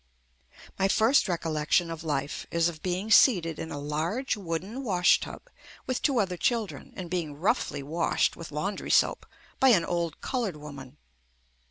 My first recollection of life is of being seated in a large wooden washtub with two other chil JUST ME dren and being roughly washed with laundry soap by an old colored woman.